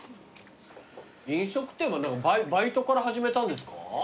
飲食店もでもバイトから始めたんですか？